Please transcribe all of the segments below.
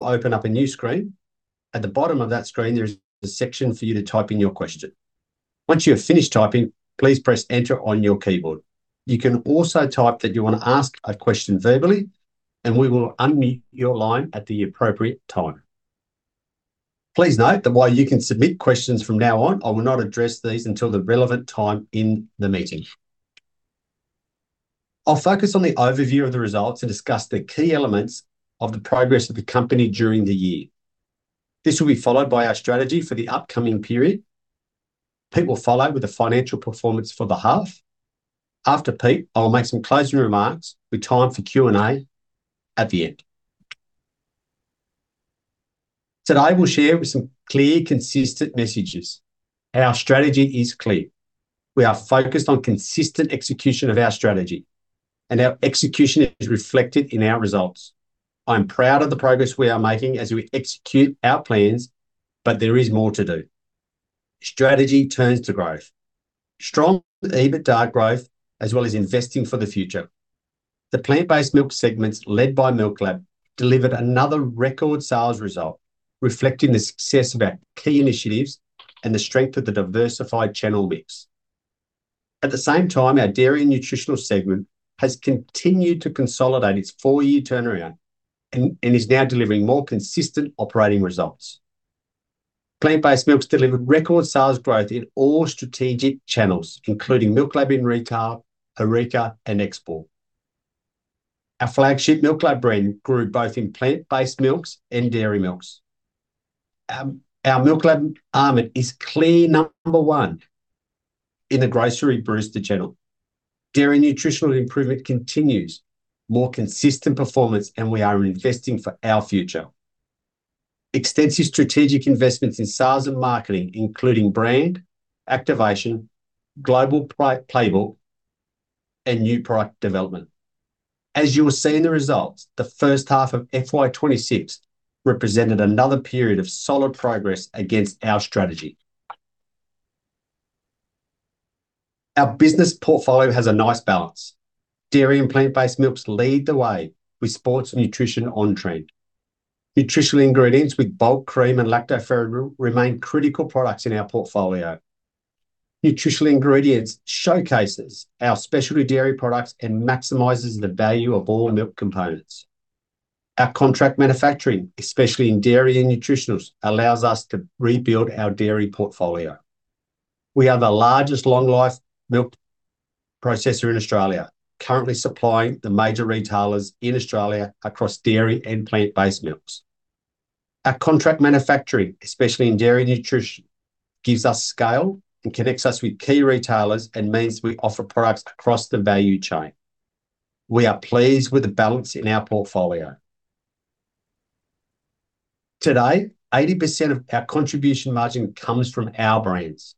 Open up a new screen. At the bottom of that screen, there is a section for you to type in your question. Once you have finished typing, please press Enter on your keyboard. You can also type that you wanna ask a question verbally, and we will unmute your line at the appropriate time. Please note that while you can submit questions from now on, I will not address these until the relevant time in the meeting. I'll focus on the overview of the results and discuss the key elements of the progress of the company during the year. This will be followed by our strategy for the upcoming period. Pete will follow with the financial performance for the half. After Pete, I'll make some closing remarks, with time for Q&A at the end. Today, we'll share with some clear, consistent messages. Our strategy is clear. We are focused on consistent execution of our strategy, and our execution is reflected in our results. I'm proud of the progress we are making as we execute our plans, but there is more to do. Strategy turns to growth. Strong EBITDA growth, as well as investing for the Plant-based Milks segments, led by MILKLAB, delivered another record sales result, reflecting the success of our key initiatives and the strength of the diversified channel mix. At the same time, our Dairy & Nutritionals segment has continued to consolidate its four-year turnaround, and is now delivering more consistent operating results. Plant-based Milks delivered record sales growth in all strategic channels, including MILKLAB in retail, HORECA, and export. Our flagship MILKLAB brand grew both in Plant-based Milks and Dairy Milks. Our MILKLAB Almond is clear number one in the grocery barista channel. Dairy & Nutritional improvement continues, more consistent performance, and we are investing for our future. Extensive strategic investments in sales and marketing, including brand, activation, global pro- playbook, and new product development. As you will see in the results, the first half of FY 2026 represented another period of solid progress against our strategy. Our business portfolio has Dairy and Plant-based Milks lead the way, with sports nutrition on trend. Nutritional ingredients with bulk cream and lactoferrin remain critical products in our portfolio. Nutritional ingredients showcases our specialty dairy products and maximizes the value of all milk components. Our contract manufacturing, especially in Dairy & Nutritionals, allows us to rebuild our dairy portfolio. We are the largest long-life milk processor in Australia, currently supplying the major retailers in australia across Dairy and Plant-based Milks. Our contract manufacturing, especially in Dairy & Nutritional, gives us scale and connects us with key retailers, and means we offer products across the value chain. We are pleased with the balance in our portfolio. Today, 80% of our contribution margin comes from our brands.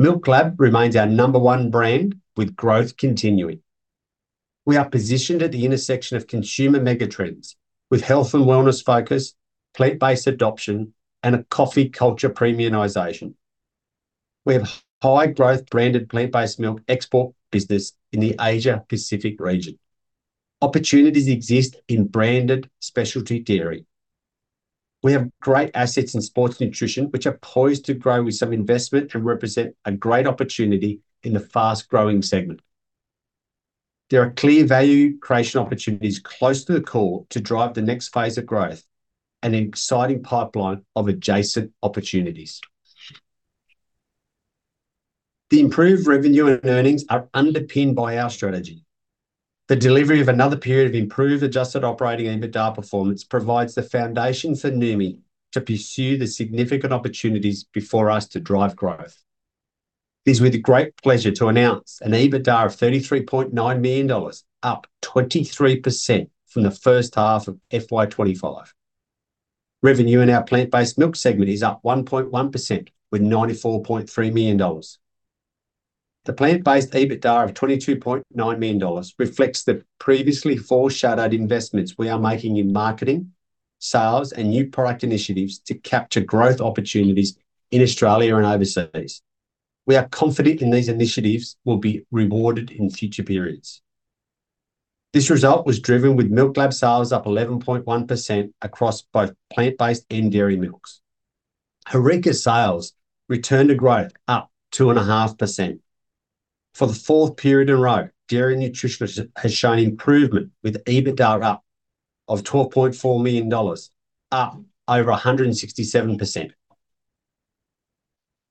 MILKLAB remains our number one brand, with growth continuing. We are positioned at the intersection of consumer mega trends, with health and wellness focus, plant-based adoption, and a coffee culture premiumization. We have high-growth, branded, Plant-based Milk export business in the Asia-Pacific region. Opportunities exist in branded specialty dairy. We have great assets in sports nutrition, which are poised to grow with some investment and represent a great opportunity in the fast-growing segment. There are clear value creation opportunities close to the core to drive the next phase of growth, and an exciting pipeline of adjacent opportunities. The improved revenue and earnings are underpinned by our strategy. The delivery of another period of improved adjusted operating EBITDA performance provides the foundation for Noumi to pursue the significant opportunities before us to drive growth. It's with great pleasure to announce an EBITDA of 33.9 million dollars, up 23% from the first half of FY 2025. Revenue Plant-based Milks segment is up 1.1%, with 94.3 million dollars. The Plant-based EBITDA of 22.9 million dollars reflects the previously foreshadowed investments we are making in marketing, sales, and new product initiatives to capture growth opportunities in Australia and overseas. We are confident in these initiatives will be rewarded in future periods. This result was driven with MILKLAB sales up 11.1% across both Plant-based and Dairy Milks. HORECA sales returned to growth, up 2.5%. For the fourth period in a row, Dairy & Nutritionals has shown improvement, with EBITDA up, of AUD 12.4 million, up over 167%.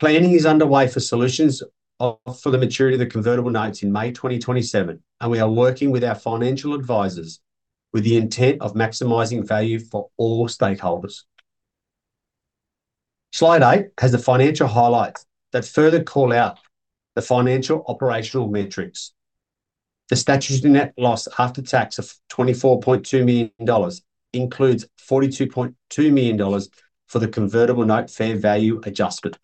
Planning is underway for solutions for the maturity of the convertible notes in May 2027, and we are working with our financial advisors with the intent of maximizing value for all stakeholders. Slide eight has the financial highlights that further call out the financial operational metrics. The statutory net loss after tax of AUD 24.2 million includes AUD 42.2 million for the convertible note fair value adjustment.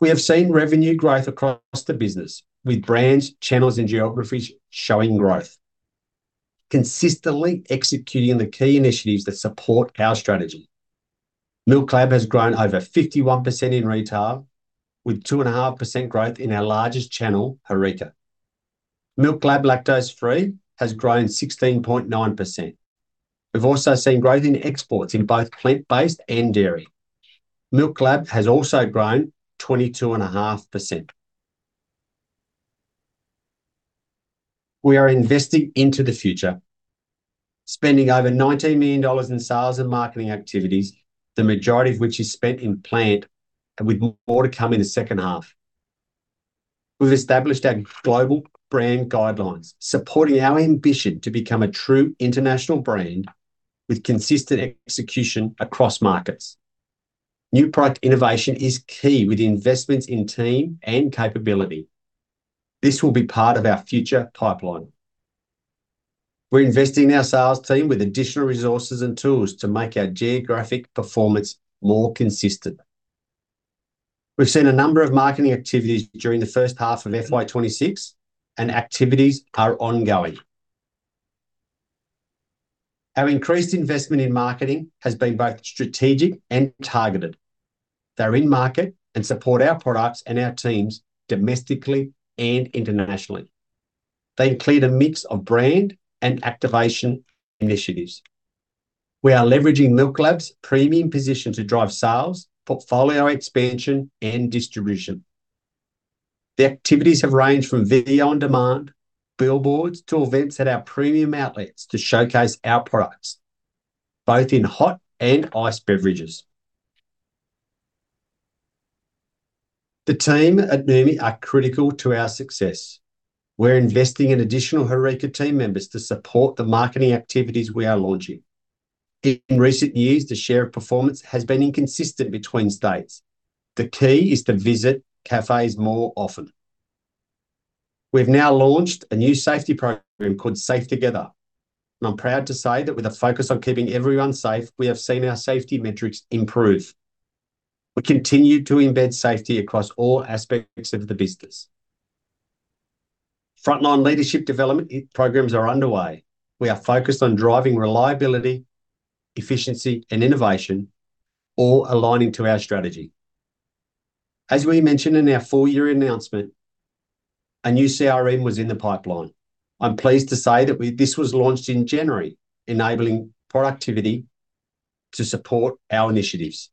We have seen revenue growth across the business, with brands, channels, and geographies showing growth. Consistently executing the key initiatives that support our strategy. MILKLAB has grown over 51% in retail, with 2.5% growth in our largest channel, HORECA. MILKLAB lactose-free has grown 16.9%. We've also seen growth in exports in both Plant-based and Dairy. MILKLAB has also grown 22.5%. We are investing into the future, spending over 19 million dollars in sales and marketing activities, the majority of which is spent in plant, and with more to come in the second half. We've established our global brand guidelines, supporting our ambition to become a true international brand with consistent execution across markets. New product innovation is key with investments in team and capability. This will be part of our future pipeline. We're investing in our sales team with additional resources and tools to make our geographic performance more consistent. We've seen a number of marketing activities during the first half of FY 2026, and activities are ongoing. Our increased investment in marketing has been both strategic and targeted. They're in market and support our products and our teams domestically and internationally. They include a mix of brand and activation initiatives. We are leveraging MILKLAB's premium position to drive sales, portfolio expansion, and distribution. The activities have ranged from video on demand, billboards, to events at our premium outlets to showcase our products, both in hot and iced beverages. The team at Noumi are critical to our success. We're investing in additional HORECA team members to support the marketing activities we are launching. In recent years, the share of performance has been inconsistent between states. The key is to visit cafes more often. We've now launched a new safety program called Safe Together, and I'm proud to say that with a focus on keeping everyone safe, we have seen our safety metrics improve. We continue to embed safety across all aspects of the business. Frontline leadership development programs are underway. We are focused on driving reliability, efficiency, and innovation, all aligning to our strategy. As we mentioned in our full year announcement, a new CRM was in the pipeline. I'm pleased to say that this was launched in January, enabling productivity to support our initiatives.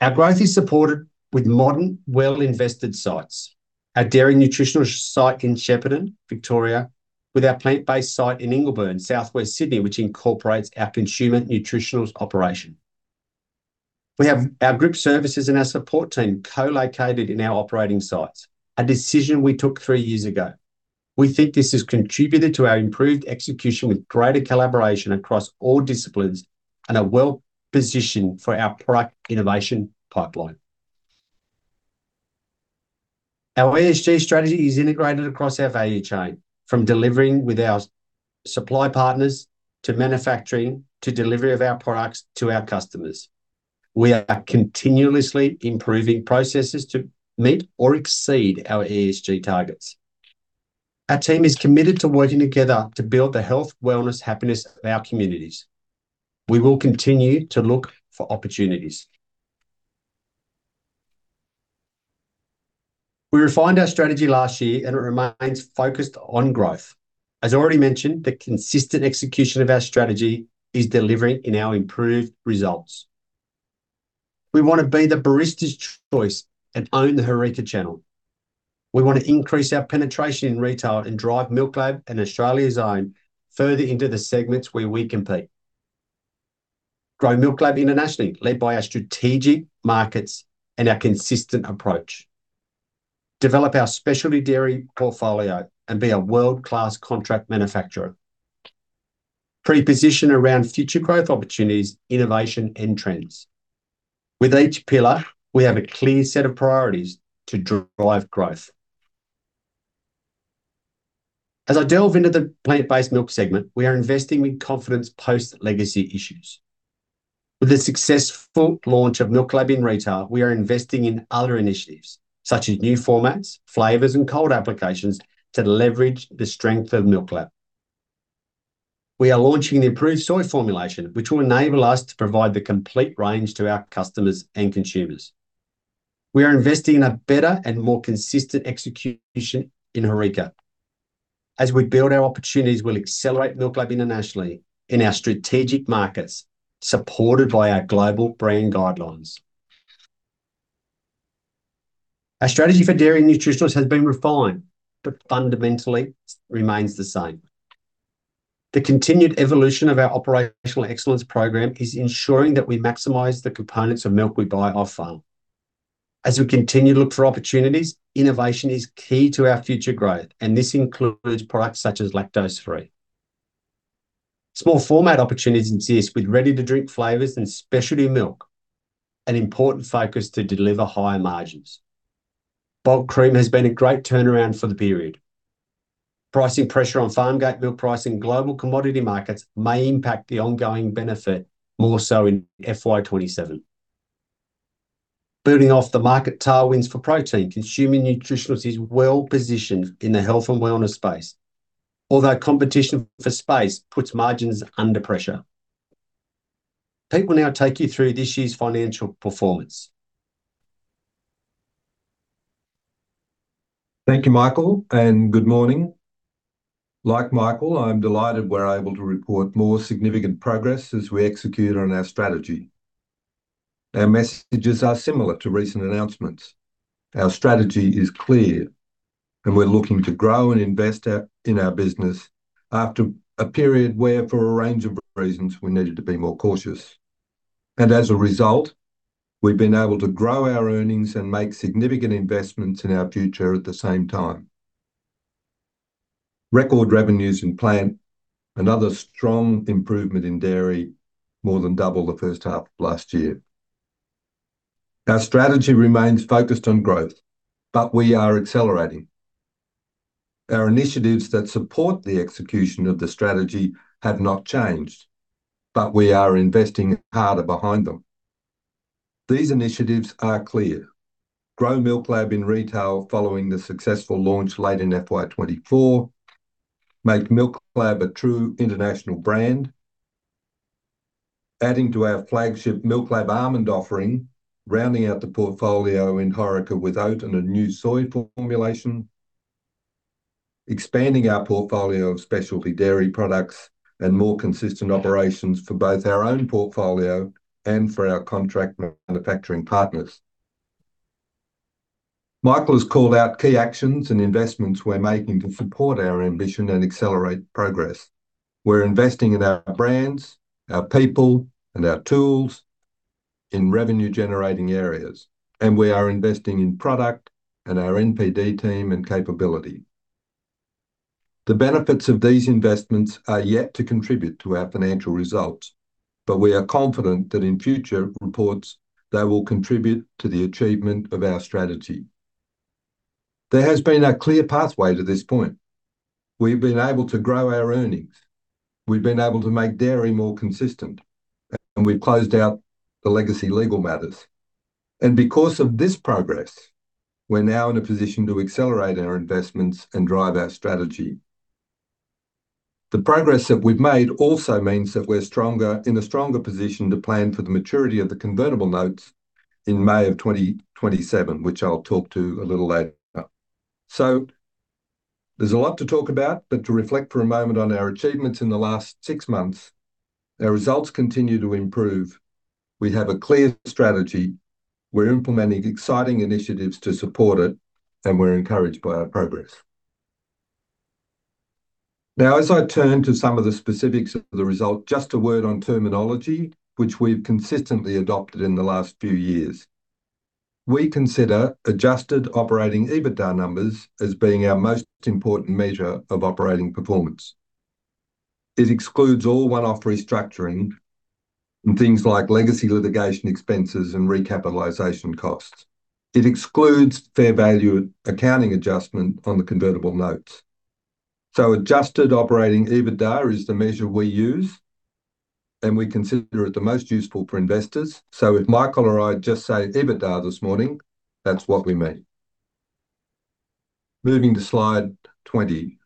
Our growth is supported with modern, well-invested sites. Our Dairy & Nutritional site in Shepparton, Victoria, with our Plant-based site in Ingleburn, Southwest Sydney, which incorporates our Consumer Nutritionals operation. We have our group services and our support team co-located in our operating sites, a decision we took three years ago. We think this has contributed to our improved execution, with greater collaboration across all disciplines and are well-positioned for our product innovation pipeline. Our ESG strategy is integrated across our value chain, from delivering with our supply partners, to manufacturing, to delivery of our products to our customers. We are continuously improving processes to meet or exceed our ESG targets. Our team is committed to working together to build the health, wellness, happiness of our communities. We will continue to look for opportunities. We refined our strategy last year, and it remains focused on growth. As already mentioned, the consistent execution of our strategy is delivering in our improved results. We want to be the barista's choice and own the HORECA channel. We want to increase our penetration in retail and drive MILKLAB and Australia's Own further into the segments where we compete. Grow MILKLAB internationally, led by our strategic markets and our consistent approach. Develop our specialty dairy portfolio, and be a world-class contract manufacturer. Pre-position around future growth opportunities, innovation, and trends. With each pillar, we have a clear set of priorities to drive growth. As I delve Plant-based Milks segment, we are investing with confidence post-legacy issues. With the successful launch of MILKLAB in retail, we are investing in other initiatives, such as new formats, flavors, and cold applications to leverage the strength of MILKLAB. We are launching the improved soy formulation, which will enable us to provide the complete range to our customers and consumers. We are investing in a better and more consistent execution in HORECA. As we build our opportunities, we'll accelerate MILKLAB internationally in our strategic markets, supported by our global brand guidelines. Our strategy for Dairy & Nutritionals has been refined, but fundamentally remains the same. The continued evolution of our operational excellence program is ensuring that we maximize the components of milk we buy off-farm. As we continue to look for opportunities, innovation is key to our future growth, and this includes products such as lactose-free. Small format opportunities exist with ready-to-drink flavors and specialty milk, an important focus to deliver higher margins. Bulk cream has been a great turnaround for the period. Pricing pressure on farmgate milk price and global commodity markets may impact the ongoing benefit, more so in FY 2027. Building off the market tailwinds for protein, Consumer Nutritionals is well-positioned in the health and wellness space, although competition for space puts margins under pressure. Pete will now take you through this year's financial performance. Thank you, Michael. Good morning. Like Michael, I'm delighted we're able to report more significant progress as we execute on our strategy. Our messages are similar to recent announcements. Our strategy is clear. We're looking to grow and invest our, in our business after a period where, for a range of reasons, we needed to be more cautious. As a result, we've been able to grow our earnings and make significant investments in our future at the same time. Record revenues in Plant, another strong improvement in Dairy, more than double the first half of last year. Our strategy remains focused on growth, but we are accelerating. Our initiatives that support the execution of the strategy have not changed, but we are investing harder behind them. These initiatives are clear: grow MILKLAB in retail following the successful launch late in FY 2024; make MILKLAB a true international brand; adding to our flagship MILKLAB Almond offering, rounding out the portfolio in HORECA with oat and a new soy formulation; expanding our portfolio of specialty dairy products; and more consistent operations for both our own portfolio and for our contract manufacturing partners. Michael has called out key actions and investments we're making to support our ambition and accelerate progress. We're investing in our brands, our people, and our tools in revenue-generating areas, and we are investing in product and our NPD team and capability. The benefits of these investments are yet to contribute to our financial results, but we are confident that in future reports, they will contribute to the achievement of our strategy. There has been a clear pathway to this point. We've been able to grow our earnings, we've been able to make dairy more consistent, we've closed out the legacy legal matters. Because of this progress, we're now in a position to accelerate our investments and drive our strategy. The progress that we've made also means that we're stronger, in a stronger position to plan for the maturity of the convertible notes in May of 2027, which I'll talk to a little later. There's a lot to talk about, but to reflect for a moment on our achievements in the last six months, our results continue to improve. We have a clear strategy, we're implementing exciting initiatives to support it, and we're encouraged by our progress. Now, as I turn to some of the specifics of the result, just a word on terminology, which we've consistently adopted in the last few years. We consider adjusted operating EBITDA numbers as being our most important measure of operating performance. It excludes all one-off restructuring and things like legacy litigation expenses and recapitalization costs. It excludes fair value accounting adjustment on the convertible notes. Adjusted operating EBITDA is the measure we use, and we consider it the most useful for investors. If Michael or I just say EBITDA this morning, that's what we mean. Moving to slide 20.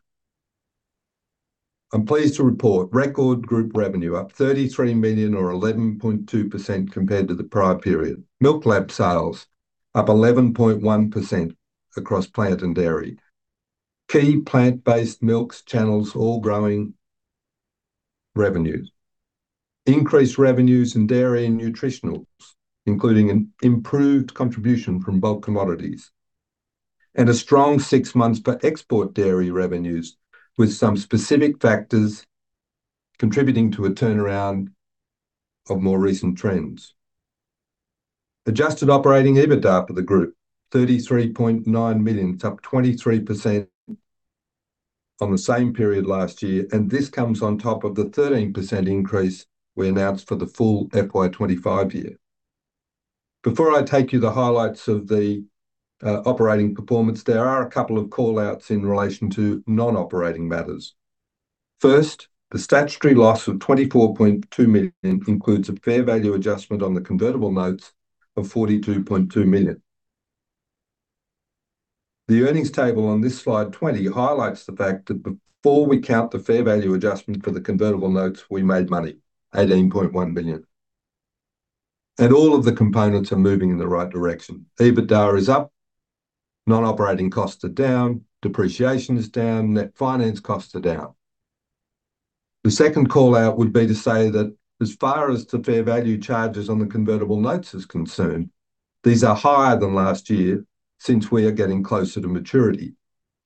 I'm pleased to report record group revenue up 33 million, or 11.2%, compared to the prior period. MILKLAB sales up 11.1% across Plant and Dairy. Key Plant-based Milks channels all growing revenues. Increased revenues in Dairy & Nutritionals, including an improved contribution from bulk commodities, and a strong six months for export dairy revenues, with some specific factors contributing to a turnaround of more recent trends. Adjusted operating EBITDA for the group, 33.9 million. It's up 23% on the same period last year, and this comes on top of the 13% increase we announced for the full FY 2025 year. Before I take you the highlights of the operating performance, there are a couple of call-outs in relation to non-operating matters. First, the statutory loss of AUD 24.2 million includes a fair value adjustment on the convertible notes of AUD 42.2 million. The earnings table on this slide 20 highlights the fact that before we count the fair value adjustment for the convertible notes, we made money, 18.1 million, and all of the components are moving in the right direction. EBITDA is up, non-operating costs are down, depreciation is down, net finance costs are down. The second call-out would be to say that as far as the fair value charges on the convertible notes is concerned, these are higher than last year since we are getting closer to maturity.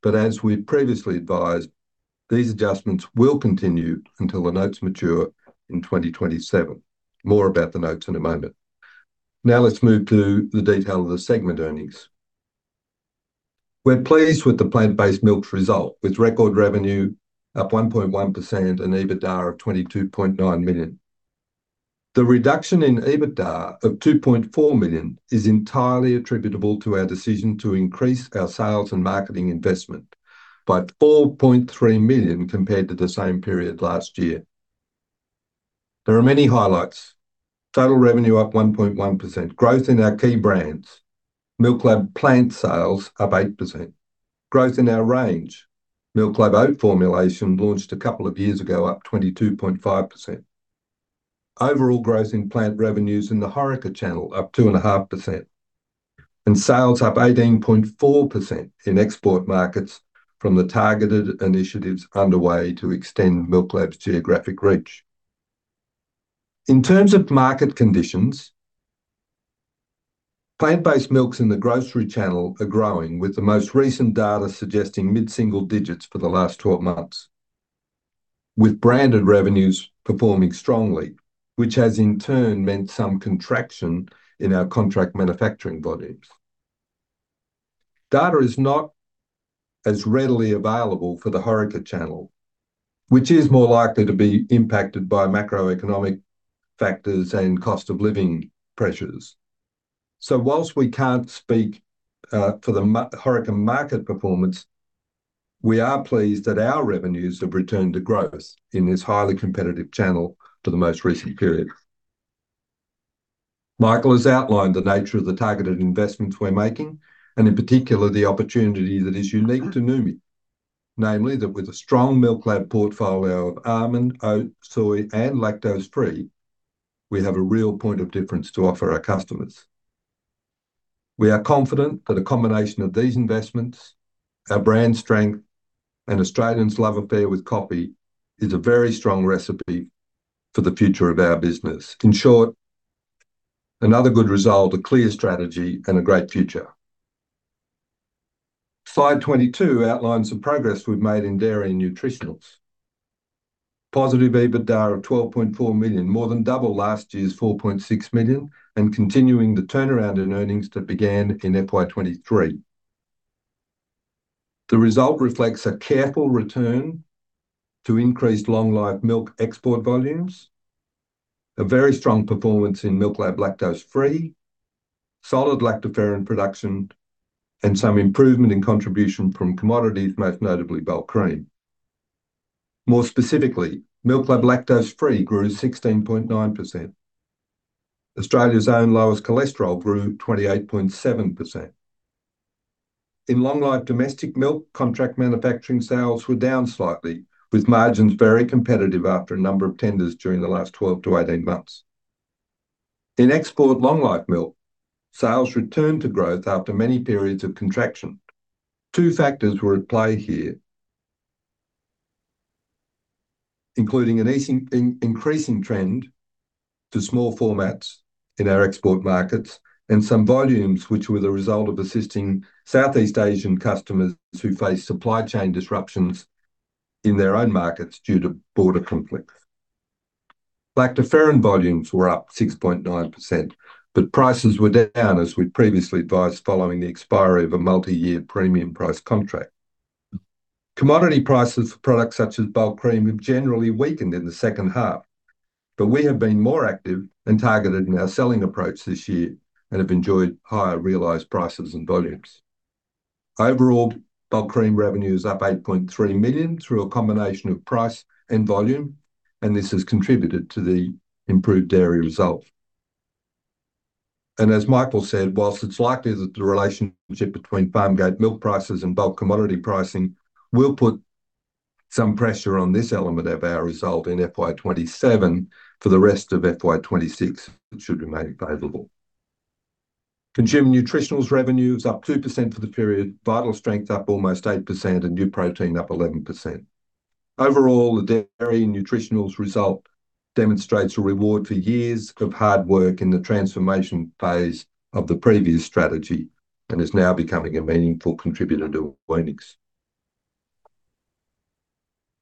As we've previously advised, these adjustments will continue until the notes mature in 2027. More about the notes in a moment. Let's move to the detail of the segment earnings. We're pleased with the Plant-based Milk's result, with record revenue up 1.1% and EBITDA of 22.9 million. The reduction in EBITDA of 2.4 million is entirely attributable to our decision to increase our sales and marketing investment by 4.3 million compared to the same period last year. There are many highlights. Total revenue up 1.1%. Growth in our key brands, MILKLAB plant sales up 8%. Growth in our range, MILKLAB Oat formulation, launched a couple of years ago, up 22.5%. Overall growth in plant revenues in the HORECA channel, up 2.5%, and sales up 18.4% in export markets from the targeted initiatives underway to extend MILKLAB's geographic reach. In terms of market conditions, Plant-based Milks in the grocery channel are growing, with the most recent data suggesting mid-single digits for the last 12 months, with branded revenues performing strongly, which has in turn meant some contraction in our contract manufacturing volumes. Data is not as readily available for the HORECA channel, which is more likely to be impacted by macroeconomic factors and cost-of-living pressures. Whilst we can't speak for the HORECA market performance, we are pleased that our revenues have returned to growth in this highly competitive channel for the most recent period. Michael has outlined the nature of the targeted investments we're making, and in particular, the opportunity that is unique to Noumi. Namely, that with a strong MILKLAB portfolio of almond, oat, soy, and lactose-free, we have a real point of difference to offer our customers. We are confident that a combination of these investments, our brand strength, and Australians' love affair with coffee, is a very strong recipe for the future of our business. In short, another good result, a clear strategy, and a great future. Slide 22 outlines the progress we've made in Dairy & Nutritionals. Positive EBITDA of 12.4 million, more than double last year's 4.6 million, and continuing the turnaround in earnings that began in FY 2023. The result reflects a careful return to increased long-life milk export volumes, a very strong performance in lactose-free, solid lactoferrin production, and some improvement in contribution from commodities, most notably Bulk cream. More specifically, lactose-free grew 16.9%. Australia's Own Lower Cholesterol grew 28.7%. In long-life domestic milk, contract manufacturing sales were down slightly, with margins very competitive after a number of tenders during the last 12 months-18 months. In export long-life milk, sales returned to growth after many periods of contraction. Two factors were at play here, including an increasing trend to small formats in our export markets, and some volumes which were the result of assisting Southeast Asian customers who faced supply chain disruptions in their own markets due to border conflicts. Lactoferrin volumes were up 6.9%, prices were down, as we previously advised, following the expiry of a multi-year premium price contract. Commodity prices for products such as Bulk cream have generally weakened in the second half, we have been more active and targeted in our selling approach this year and have enjoyed higher realized prices and volumes. Overall, Bulk cream revenue is up 8.3 million through a combination of price and volume, and this has contributed to the improved dairy result. As Michael said, whilst it's likely that the relationship between farmgate milk prices and bulk commodity pricing will put some pressure on this element of our result in FY 2027, for the rest of FY 2026, it should remain favorable. Consumer Nutritionals revenue is up 2% for the period, Vitalstrength up almost 8%, Uprotein up 11%. Overall, the Dairy & Nutritionals result demonstrates a reward for years of hard work in the transformation phase of the previous strategy and is now becoming a meaningful contributor to earnings.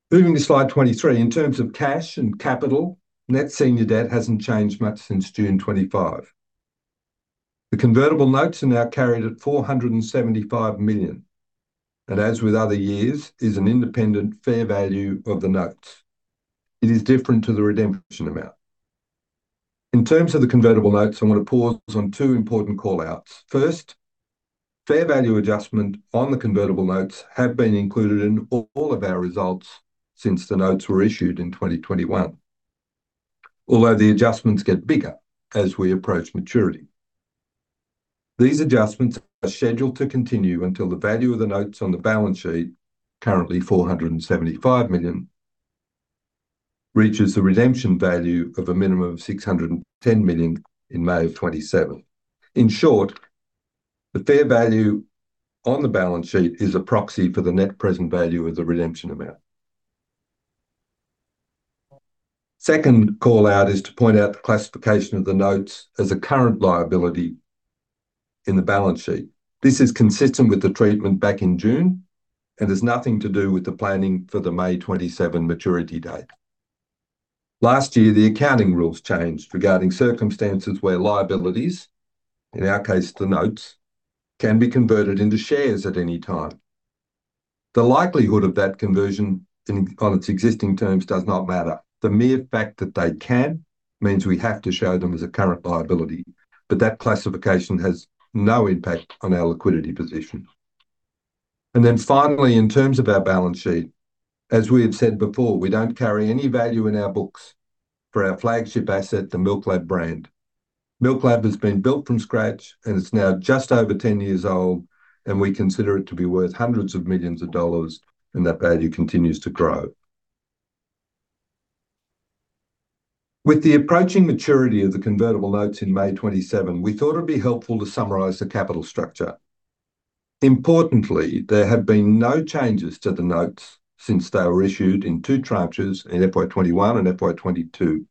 Moving to slide 23. In terms of cash and capital, net senior debt hasn't changed much since June 2025. The convertible notes are now carried at $475 million, and as with other years, is an independent fair value of the notes. It is different to the redemption amount. In terms of the convertible notes, I'm gonna pause on two important call-outs. First, fair value adjustment on the convertible notes have been included in all of our results since the notes were issued in 2021, although the adjustments get bigger as we approach maturity. These adjustments are scheduled to continue until the value of the notes on the balance sheet, currently 475 million, reaches the redemption value of a minimum of 610 million in May of 2027. In short, the fair value on the balance sheet is a proxy for the net present value of the redemption amount. Second call-out is to point out the classification of the notes as a current liability in the balance sheet. This is consistent with the treatment back in June and has nothing to do with the planning for the May 2027 maturity date. Last year, the accounting rules changed regarding circumstances where liabilities, in our case, the notes, can be converted into shares at any time. The likelihood of that conversion on its existing terms does not matter. The mere fact that they can means we have to show them as a current liability, but that classification has no impact on our liquidity position. Finally, in terms of our balance sheet, as we have said before, we don't carry any value in our books for our flagship asset, the MILKLAB brand. MILKLAB has been built from scratch, and it's now just over 10 years old, and we consider it to be worth hundreds of millions of AUD, and that value continues to grow. With the approaching maturity of the convertible notes in May 2027, we thought it'd be helpful to summarize the capital structure. Importantly, there have been no changes to the notes since they were issued in two tranches in FY 2021 and FY 2022.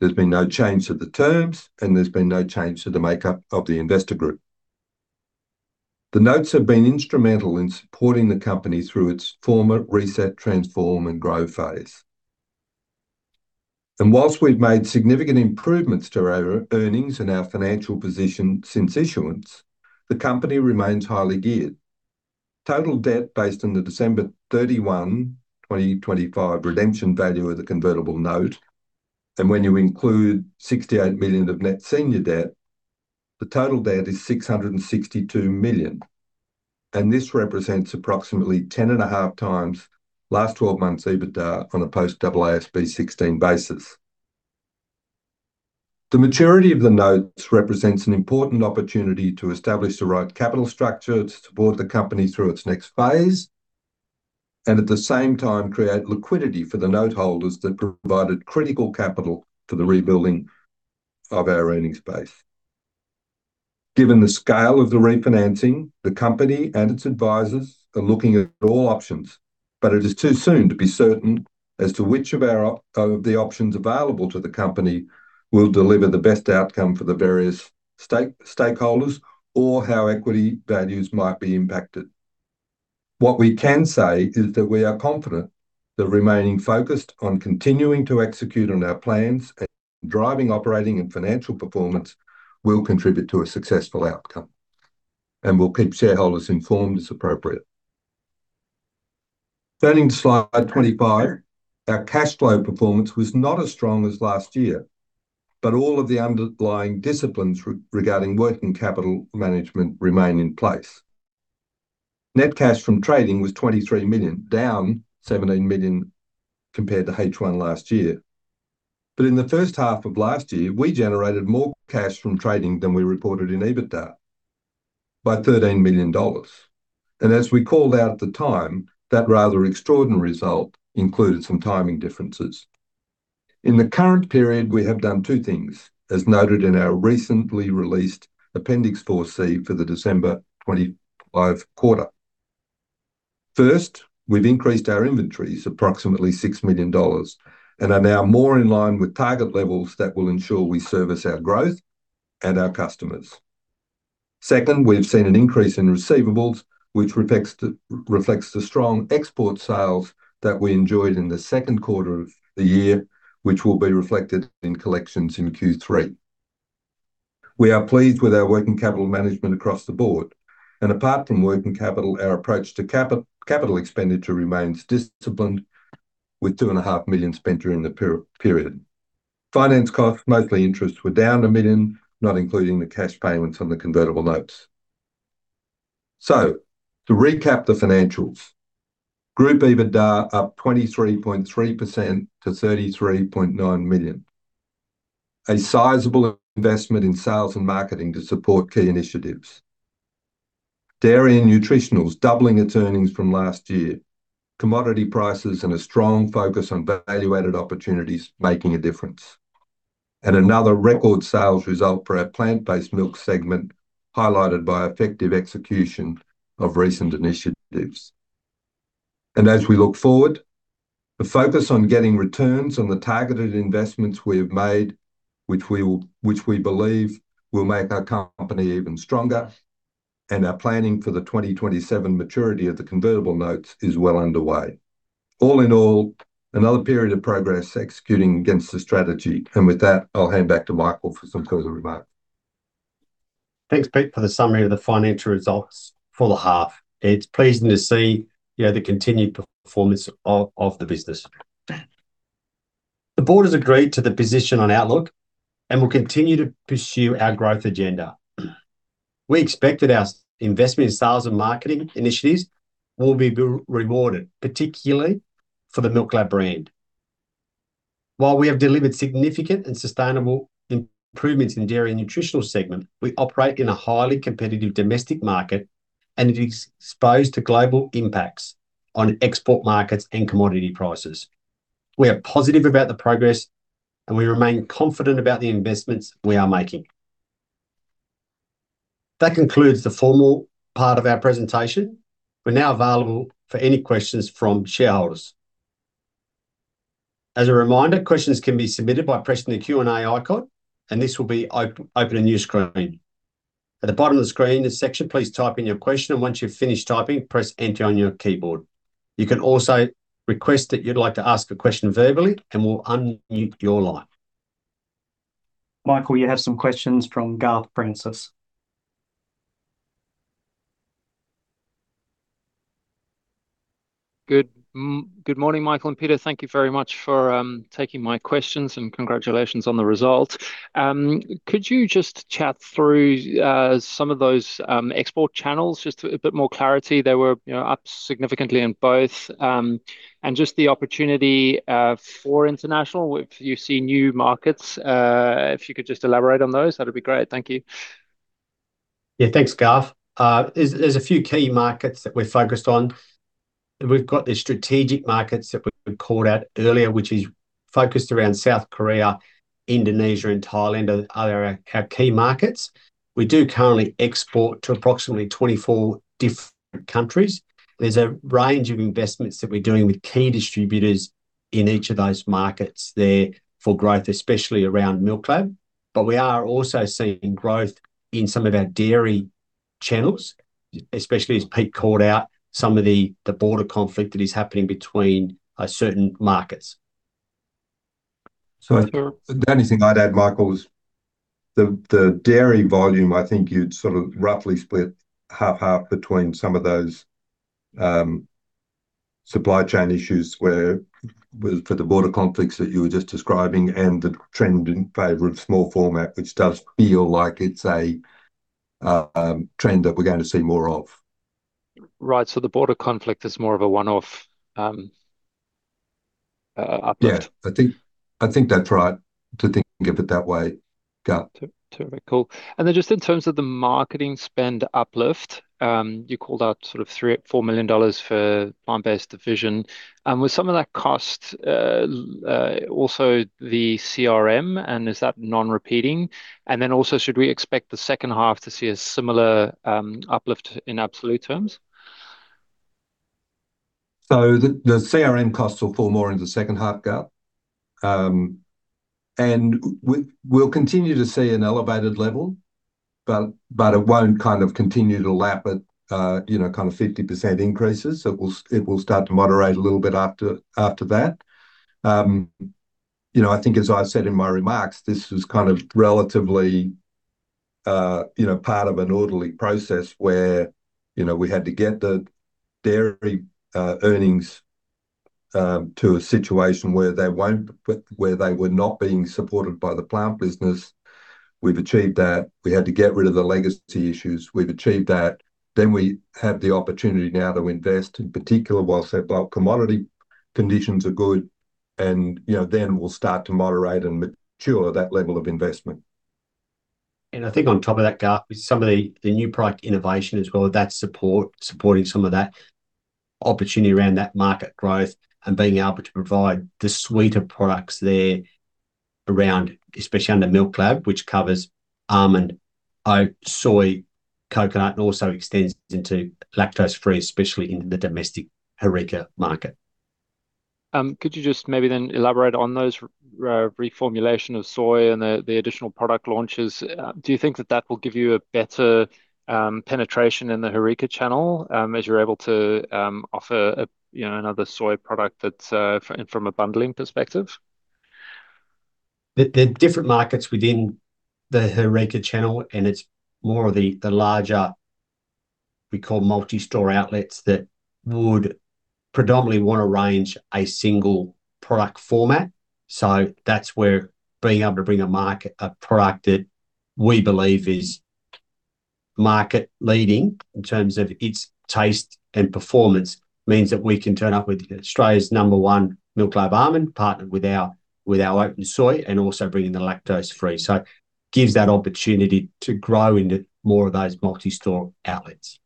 There's been no change to the terms. There's been no change to the makeup of the investor group. The notes have been instrumental in supporting the company through its former reset, transform, and grow phase. Whilst we've made significant improvements to our earnings and our financial position since issuance, the company remains highly geared. Total debt based on the December 31, 2025, redemption value of the convertible note, and when you include 68 million of net senior debt, the total debt is 662 million, and this represents approximately 10.5x last 12 months EBITDA on a post AASB 16 basis. The maturity of the notes represents an important opportunity to establish the right capital structure to support the company through its next phase, and at the same time, create liquidity for the note holders that provided critical capital for the rebuilding of our earnings base. Given the scale of the refinancing, the company and its advisors are looking at all options, but it is too soon to be certain as to which of our, of the options available to the company will deliver the best outcome for the various stakeholders, or how equity values might be impacted. What we can say is that we are confident that remaining focused on continuing to execute on our plans and driving operating and financial performance will contribute to a successful outcome, and we'll keep shareholders informed as appropriate. Turning to slide 25, our cash flow performance was not as strong as last year, but all of the underlying disciplines regarding working capital management remain in place. Net cash from trading was 23 million, down 17 million compared to H1 last year. In the first half of last year, we generated more cash from trading than we reported in EBITDA, by 13 million dollars. As we called out at the time, that rather extraordinary result included some timing differences. In the current period, we have done two things, as noted in our recently released Appendix 4C for the December 2025 quarter. First, we've increased our inventories approximately 6 million dollars and are now more in line with target levels that will ensure we service our growth and our customers. Second, we've seen an increase in receivables, which reflects the strong export sales that we enjoyed in the second quarter of the year, which will be reflected in collections in Q3. We are pleased with our working capital management across the board, apart from working capital, our approach to capital expenditure remains disciplined, with 2.5 million spent during the period. Finance costs, mostly interests, were down 1 million, not including the cash payments on the convertible notes. To recap the financials, group EBITDA up 23.3% to 33.9 million. A sizable investment in sales and marketing to support key initiatives. Dairy & Nutritionals doubling its earnings from last year. Commodity prices and a strong focus on value-added opportunities making a difference. Another record sales result Plant-based Milks segment, highlighted by effective execution of recent initiatives. As we look forward, the focus on getting returns on the targeted investments we have made, which we believe will make our company even stronger, and our planning for the 2027 maturity of the convertible notes is well underway. All in all, another period of progress executing against the strategy. With that, I'll hand back to Michael for some closing remarks. Thanks, Pete, for the summary of the financial results for the half. It's pleasing to see, you know, the continued performance of the business. Will continue to pursue our growth agenda. We expect that our investment in sales and marketing initiatives will be rewarded, particularly for the MILKLAB brand. While we have delivered significant and sustainable improvements in Dairy & Nutritionals segment, we operate in a highly competitive domestic market and is exposed to global impacts on export markets and commodity prices. We are positive about the progress, we remain confident about the investments we are making. That concludes the formal part of our presentation. We're now available for any questions from shareholders. As a reminder, questions can be submitted by pressing the Q&A icon, and this will be open a new screen. At the bottom of the screen, this section, please type in your question, and once you've finished typing, press Enter on your keyboard. You can also request that you'd like to ask a question verbally, and we'll unmute your line. Michael, you have some questions from Garth Francis. Good m- good morning, Michael and Peter. Thank you very much for taking my questions, and congratulations on the result. Could you just chat through some of those export channels, just a bit more clarity? They were, you know, up significantly in both. Just the opportunity for international, if you see new markets, if you could just elaborate on those, that'd be great. Thank you. Yeah, thanks, Garth. there's, there's a few key markets that we're focused on. We've got the strategic markets that we called out earlier, which is focused around South Korea, Indonesia, and Thailand, are, are our, our key markets. We do currently export to approximately 24 different countries. There's a range of investments that we're doing with key distributors in each of those markets there for growth, especially around MILKLAB. We are also seeing growth in some of our dairy channels, especially as Pete called out some of the, the border conflict that is happening between, certain markets. The only thing I'd add, Michael, is the, the dairy volume, I think you'd sort of roughly split half, half between some of those supply chain issues, where for the border conflicts that you were just describing and the trend in favor of small format, which does feel like it's a trend that we're going to see more of. Right. So the border conflict is more of a one-off uplift? Yeah, I think, I think that's right, to think of it that way, Garth. Terrific. Cool. Just in terms of the marketing spend uplift, you called out sort of $3 million-$4 million for Plant-based division. Was some of that cost also the CRM, and is that non-repeating? Should we expect the second half to see a similar uplift in absolute terms? The CRM costs will fall more into the second half, Garth. We'll continue to see an elevated level, but, but it won't kind of continue to lap at, you know, kind of 50% increases. It will, it will start to moderate a little bit after, after that. You know, I think as I said in my remarks, this was kind of relatively, you know, part of an orderly process, where, you know, we had to get the dairy earnings to a situation where they won't. Where they were not being supported by the plant business. We've achieved that. We had to get rid of the legacy issues. We've achieved that. We have the opportunity now to invest, in particular, while our bulk commodity conditions are good and, you know, then we'll start to moderate and mature that level of investment. I think on top of that, Garth, with some of the, the new product innovation as well, that support, supporting some of that opportunity around that market growth and being able to provide the suite of products there around, especially under MILKLAB, which covers almond, oat, soy, coconut, and also extends into lactose-free, especially in the domestic HORECA market. Could you just maybe then elaborate on those reformulation of soy and the, the additional product launches? Do you think that that will give you a better, penetration in the HORECA channel, as you're able to, offer a, you know, another soy product that's, from a bundling perspective? The different markets within the HORECA channel, and it's more of the larger, we call multi-store outlets, that would predominantly want to range a single product format. That's where being able to bring a market, a product that we believe is market-leading in terms of its taste and performance, means that we can turn up with Australia's number one MILKLAB almond, partnered with our, with our oat and soy, and also bringing the lactose-free. Gives that opportunity to grow into more of those multi-store outlets.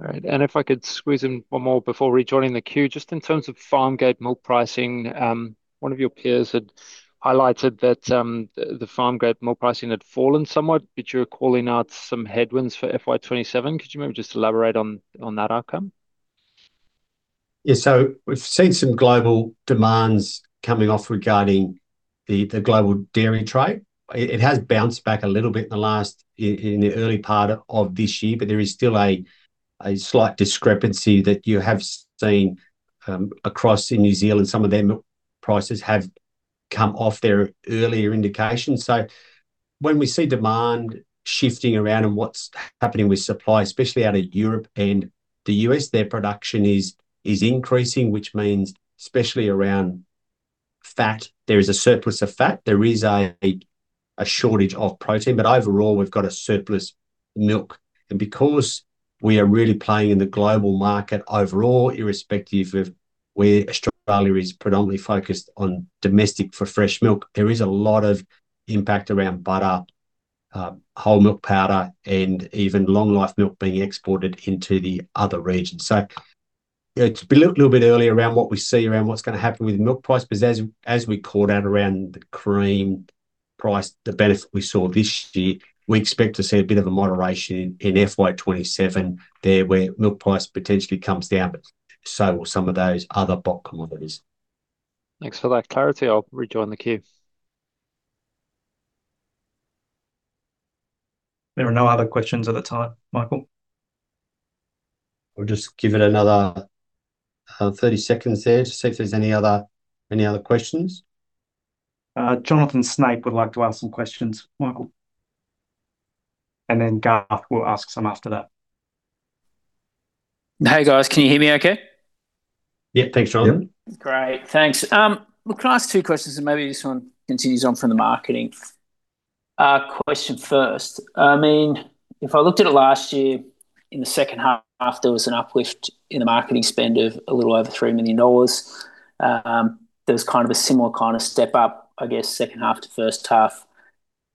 All right. If I could squeeze in one more before rejoining the queue. Just in terms of farmgate milk price, one of your peers had highlighted that the, the farmgate milk price had fallen somewhat, but you're calling out some headwinds for FY 2027. Could you maybe just elaborate on, on that outcome? We've seen some global demands coming off regarding the Global Dairy Trade. It has bounced back a little bit in the last, in the early part of this year, but there is still a slight discrepancy that you have seen across in New Zealand. Some of their milk prices have come off their earlier indications. When we see demand shifting around and what's happening with supply, especially out of Europe and the U.S., their production is increasing, which means, especially around fat, there is a surplus of fat. There is a shortage of protein, but overall, we've got a surplus milk. Because we are really playing in the global market overall, irrespective of where Australia is predominantly focused on domestic for fresh milk, there is a lot of impact around butter, whole milk powder, and even long-life milk being exported into the other regions. It's a little bit early around what we see around what's going to happen with milk price, because as, as we called out around the cream price, the benefit we saw this year, we expect to see a bit of a moderation in FY 2027 there, where milk price potentially comes down, but so will some of those other bulk commodities. Thanks for that clarity. I'll rejoin the queue. There are no other questions at the time, Michael. We'll just give it another, 30 seconds there to see if there's any other, any other questions. Jonathan Snape would like to ask some questions, Michael. Then Garth will ask some after that. Hey, guys, can you hear me okay? Yeah. Thanks, Jonathan. Yeah. Great, thanks. Well, can I ask two questions? Maybe this one continues on from the marketing question first. I mean, if I looked at it last year, in the second half, there was an uplift in the marketing spend of a little over 3 million dollars. There was kind of a similar kind of step up, I guess, second half to first half.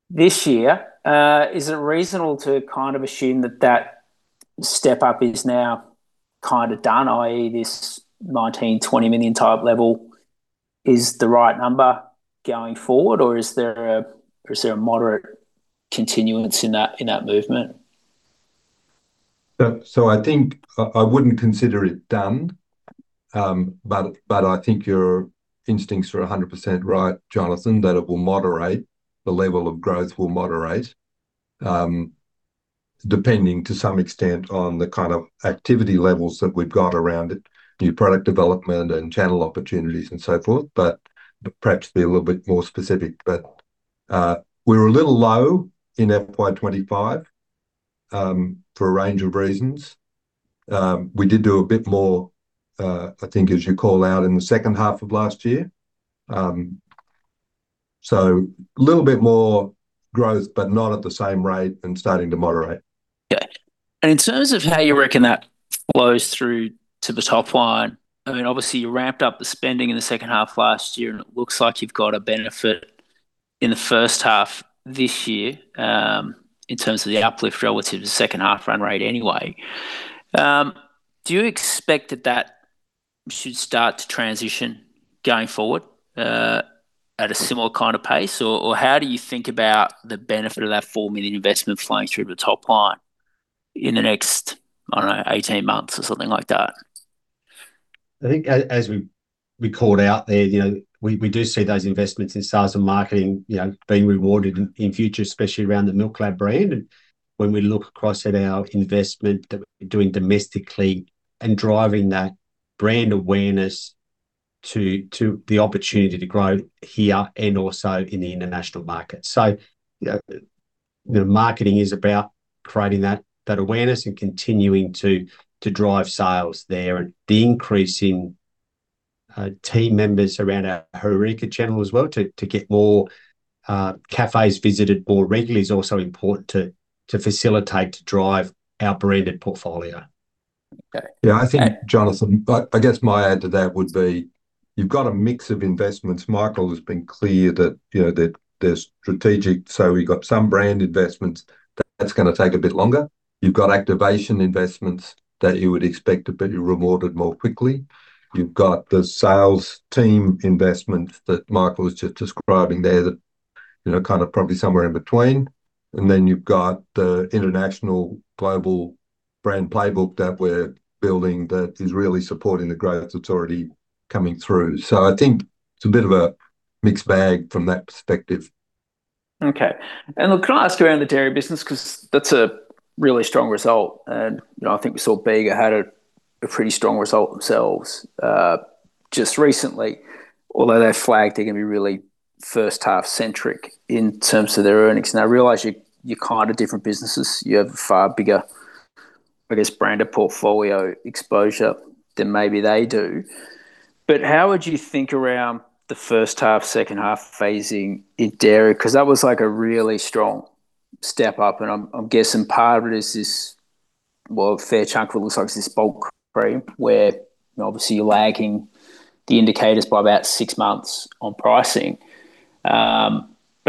This year, is it reasonable to kind of assume that that step up is now kind of done, i.e., this 19 million-20 million type level is the right number going forward, or is there a moderate continuance in that, in that movement? I think I wouldn't consider it done. I think your instincts are 100% right, Jonathan, that it will moderate, the level of growth will moderate. Depending, to some extent, on the kind of activity levels that we've got around it, new product development and channel opportunities, and so forth. Perhaps be a little bit more specific, we were a little low in FY 2025 for a range of reasons. We did do a bit more, I think, as you call out, in the second half of last year. Little bit more growth, but not at the same rate and starting to moderate. Yeah. In terms of how you reckon that flows through to the top line, I mean, obviously, you ramped up the spending in the second half last year, and it looks like you've got a benefit in the first half this year, in terms of the uplift relative to the second half run rate anyway. Do you expect that that should start to transition going forward, at a similar kind of pace? Or how do you think about the benefit of that $4 million investment flowing through to the top line in the next, I don't know, 18 months or something like that? I think as we, we called out there, you know, we, we do see those investments in sales and marketing, you know, being rewarded in, in future, especially around the MILKLAB brand. When we look across at our investment that we're doing domestically and driving that brand awareness to, to the opportunity to grow here and also in the international market. You know, the marketing is about creating that, that awareness and continuing to, to drive sales there, and the increase in team members around our HORECA channel as well, to, to get more cafes visited more regularly is also important to, to facilitate, to drive our branded portfolio. Okay. Yeah, I think, Jonathan, I, I guess my add to that would be, you've got a mix of investments. Michael has been clear that, you know, that they're strategic, so we've got some brand investments, that's gonna take a bit longer. You've got activation investments that you would expect to be rewarded more quickly. You've got the sales team investment that Michael was just describing there, that, you know, kind of probably somewhere in between. Then you've got the international global brand playbook that we're building that is really supporting the growth that's already coming through. I think it's a bit of a mixed bag from that perspective. Okay. Look, can I ask you around the Dairy business? 'Cause that's a really strong result, and, you know, I think we saw Bega had a, a pretty strong result themselves just recently, although they flagged they're gonna be really first half-centric in terms of their earnings. I realize you, you're kind of different businesses, you have a far bigger, I guess, brand of portfolio exposure than maybe they do. How would you think around the first half, second half phasing in dairy? 'Cause that was, like, a really strong step up, and I'm, I'm guessing part of it is this. Well, a fair chunk of it looks like it's this bulk cream, where obviously you're lagging the indicators by about six months on pricing.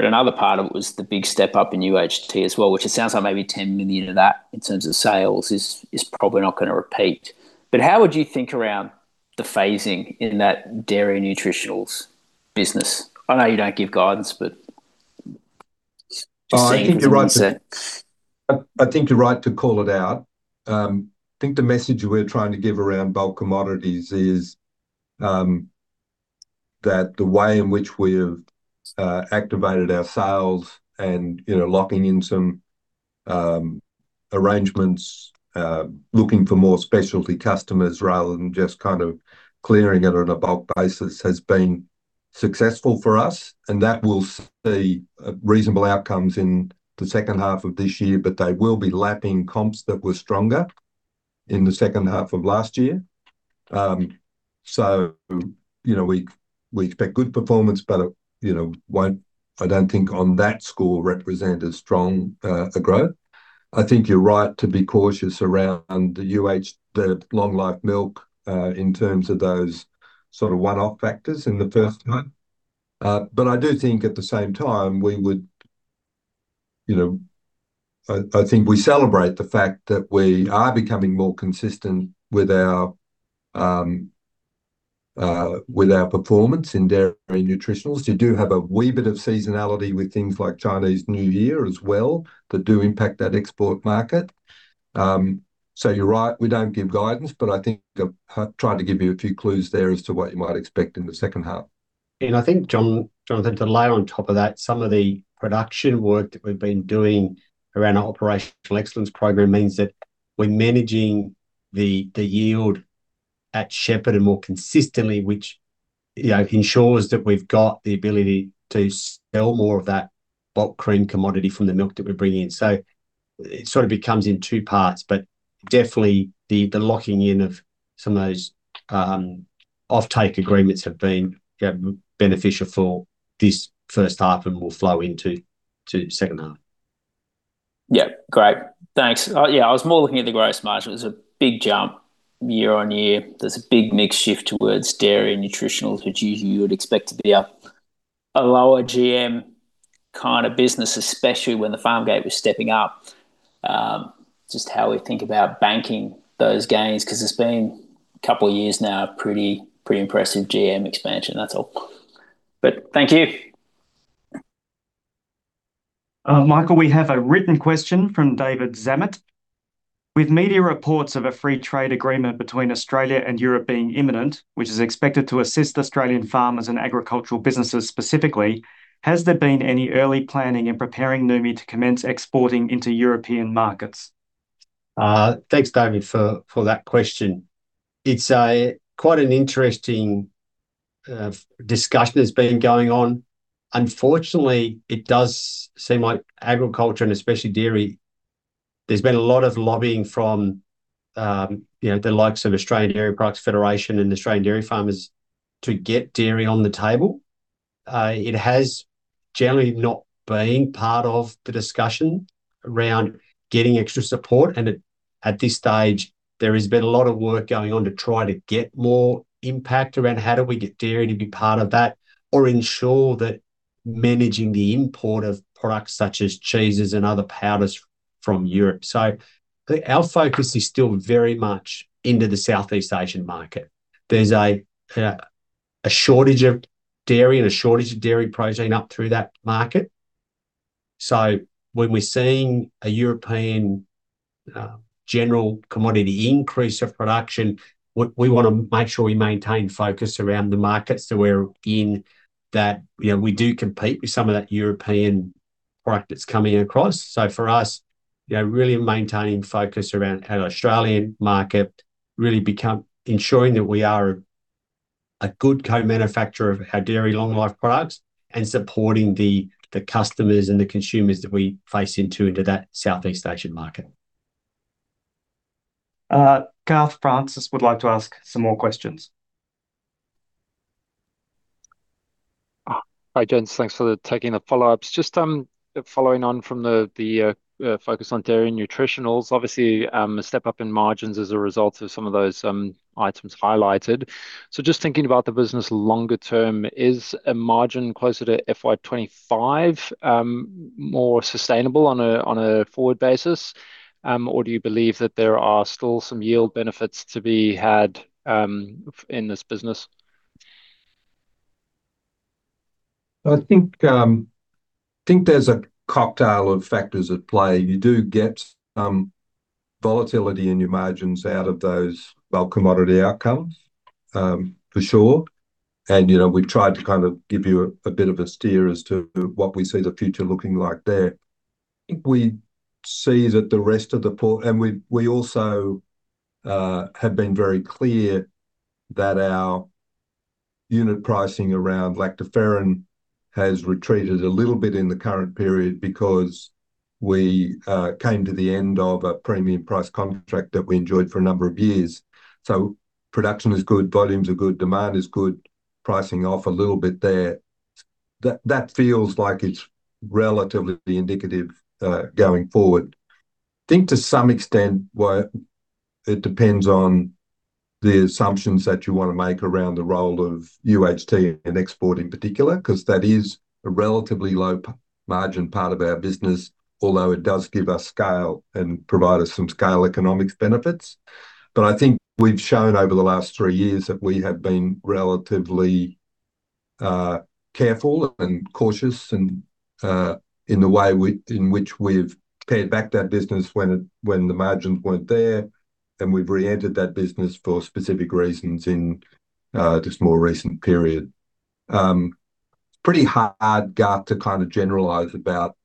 Another part of it was the big step up in UHT as well, which it sounds like maybe 10 million of that, in terms of sales, is probably not gonna repeat. How would you think around the phasing in Dairy & Nutritionals business? I know you don't give guidance, but just. I think you're right to call it out. I think the message we're trying to give around bulk commodities is that the way in which we have activated our sales and, you know, locking in some arrangements, looking for more specialty customers rather than just kind of clearing it on a bulk basis, has been successful for us, and that will see reasonable outcomes in the second half of this year, but they will be lapping comps that were stronger in the second half of last year. You know, we, we expect good performance, but, you know, won't, I don't think on that score, represent as strong a growth. I think you're right to be cautious around the UH, the long-life milk, in terms of those sort of one-off factors in the first half. I do think at the same time, we would, you know, I, I think we celebrate the fact that we are becoming more consistent with our with our performance in Dairy & Nutritionals. You do have a wee bit of seasonality with things like Chinese New Year as well, that do impact that export market. You're right, we don't give guidance, but I think I've tried to give you a few clues there as to what you might expect in the second half. I think, Jonathan, to layer on top of that, some of the production work that we've been doing around our operational excellence program means that we're managing the yield at Shepparton and more consistently, which, you know, ensures that we've got the ability to sell more of that Bulk cream commodity from the milk that we're bringing in. It sort of becomes in two parts, but definitely the locking in of some of those offtake agreements have been beneficial for this first half and will flow into the second half. Yeah, great. Thanks. Yeah, I was more looking at the gross margin. It's a big jump year on year. There's a big mix shift towards Dairy & Nutritionals, which usually you would expect to be a, a lower GM kind of business, especially when the farm gate was stepping up. Just how we think about banking those gains, 'cause it's been a couple of years now, pretty, pretty impressive GM expansion. That's all. Thank you. Michael, we have a written question from David Zammit: With media reports of a free trade agreement between Australia and Europe being imminent, which is expected to assist Australian farmers and agricultural businesses specifically, has there been any early planning in preparing Noumi to commence exporting into European markets? Thanks, David, for, for that question. It's a quite an interesting discussion that's been going on. Unfortunately, it does seem like agriculture, and especially dairy, there's been a lot of lobbying from, you know, the likes of Australian Dairy Products Federation and Australian Dairy Farmers to get dairy on the table. It has generally not been part of the discussion around getting extra support, and at, at this stage, there has been a lot of work going on to try to get more impact around how do we get dairy to be part of that, or ensure that managing the import of products such as cheeses and other powders from Europe. Our focus is still very much into the Southeast Asian market. There's a shortage of dairy and a shortage of dairy protein up through that market, so when we're seeing a European general commodity increase of production, we wanna make sure we maintain focus around the markets that we're in, that, you know, we do compete with some of that European product that's coming across. For us, you know, really maintaining focus around our Australian market, really ensuring that we are a good co-manufacturer of our dairy long life products, and supporting the customers and the consumers that we face into, into that Southeast Asian market. Garth Francis would like to ask some more questions. Hi, gents. Thanks for the- taking the follow-ups. Just following on from the, the focus Dairy & Nutritionals, obviously, a step up in margins as a result of some of those items highlighted. Just thinking about the business longer term, is a margin closer to FY 2025, more sustainable on a, on a forward basis? Or do you believe that there are still some yield benefits to be had in this business? I think, I think there's a cocktail of factors at play. You do get, volatility in your margins out of those, well, commodity outcomes, for sure, and, you know, we've tried to kind of give you a, a bit of a steer as to what we see the future looking like there. I think we see that the rest of the port. We, we also, have been very clear that our unit pricing around lactoferrin has retreated a little bit in the current period because we, came to the end of a premium price contract that we enjoyed for a number of years. So production is good, volumes are good, demand is good, pricing off a little bit there. That, that feels like it's relatively indicative, going forward. I think to some extent, well, it depends on the assumptions that you wanna make around the role of UHT and export, in particular, 'cause that is a relatively low margin part of our business, although it does give us scale and provide us some scale economics benefits. I think we've shown over the last three years that we have been relatively careful and cautious, and in the way we, in which we've paid back that business when it, when the margins weren't there, and we've re-entered that business for specific reasons in this more recent period. Pretty hard, hard gap to kind of generalize about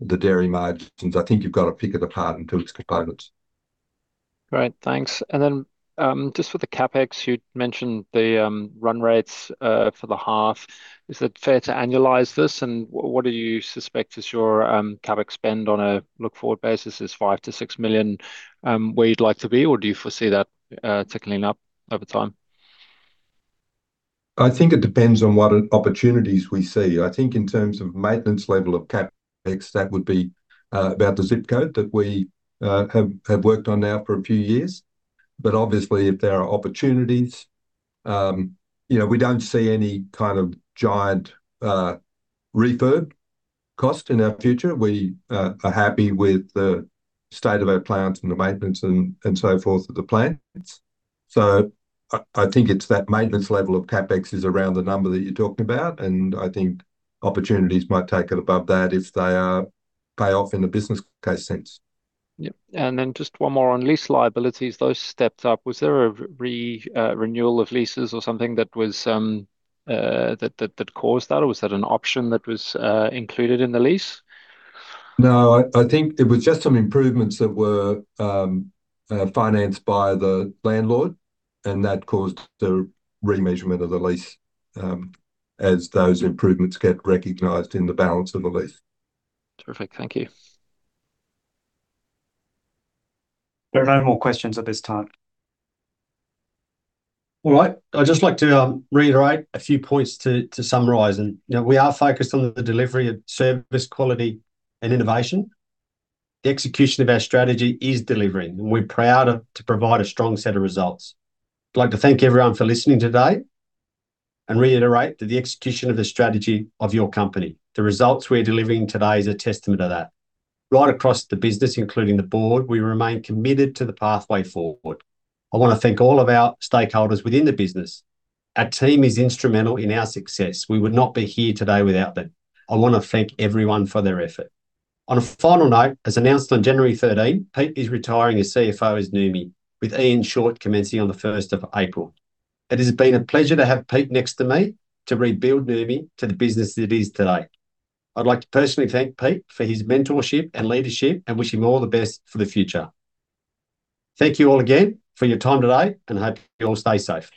the dairy margins. I think you've got to pick it apart into its components. Great, thanks. Then, just for the CapEx, you'd mentioned the run rates for the half. Is it fair to annualize this? What do you suspect is your CapEx spend on a look-forward basis is 5 million-6 million where you'd like to be, or do you foresee that tickling up over time? I think it depends on what opportunities we see. I think in terms of maintenance level of CapEx, that would be about the zip code that we have worked on now for a few years. Obviously, if there are opportunities, you know, we don't see any kind of giant refurb cost in our future. We are happy with the state of our plants and the maintenance and so forth of the plants. I think it's that maintenance level of CapEx is around the number that you're talking about, and I think opportunities might take it above that if they pay off in the business case sense. Yep. Then just one more on lease liabilities. Those stepped up. Was there a renewal of leases or something that was that caused that, or was that an option that was included in the lease? No, I, I think it was just some improvements that were financed by the landlord, and that caused the re-measurement of the lease, as those improvements get recognized in the balance of the lease. Terrific. Thank you. There are no more questions at this time. All right. I'd just like to reiterate a few points to summarize. You know, we are focused on the delivery of service, quality, and innovation. The execution of our strategy is delivering, and we're proud of, to provide a strong set of results. I'd like to thank everyone for listening today, and reiterate that the execution of the strategy of your company, the results we're delivering today is a testament to that. Right across the business, including the board, we remain committed to the pathway forward. I wanna thank all of our stakeholders within the business. Our team is instrumental in our success. We would not be here today without them. I wanna thank everyone for their effort. On a final note, as announced on January 13, Pete is retiring as CFO as Noumi, with Iain Short commencing on the 1st of April. It has been a pleasure to have Pete next to me to rebuild Noumi to the business it is today. I'd like to personally thank Pete for his mentorship and leadership, and wish him all the best for the future. Thank you all again for your time today, and I hope you all stay safe.